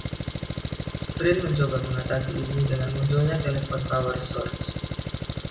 Sprint mencoba mengatasi ini dengan munculnya telepon PowerSource.